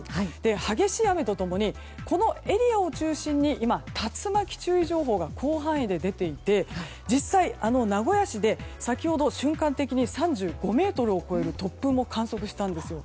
激しい雨と共にこのエリアを中心に今、竜巻注意情報が広範囲で出ていて実際、名古屋市で先ほど、瞬間的に３５メートルを超える突風も観測したんです。